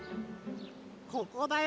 ここだよ